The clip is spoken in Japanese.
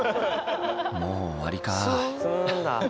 もう終わりか。